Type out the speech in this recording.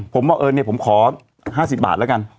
ผมว่าเออเนี่ยผมขอ๕๐บาทแล้วกัน